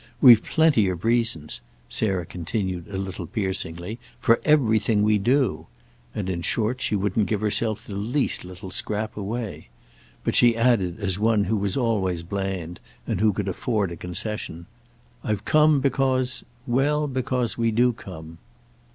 We've plenty of reasons," Sarah continued a little piercingly, "for everything we do"—and in short she wouldn't give herself the least little scrap away. But she added as one who was always bland and who could afford a concession: "I've come because—well, because we do come."